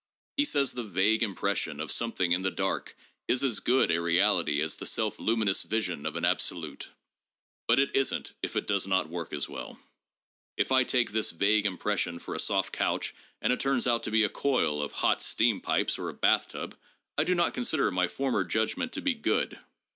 He says the vague impression of something in the dark "is as 'good' a reality as the self luminous vision of an absolute." But it isn't if it does not work as well. If I take this vague impression for a soft couch and it turns out to be a coil of hot steam pipes or a bathtub, I do not consider my former judgment to be 'good.'